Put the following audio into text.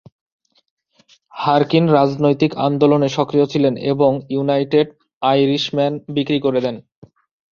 হারকিন রাজনৈতিক আন্দোলনে সক্রিয় ছিলেন এবং ইউনাইটেড আইরিশম্যান বিক্রি করে দেন।